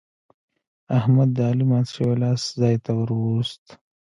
احمد د علي مات شوی لاس ځای ته ور ووست.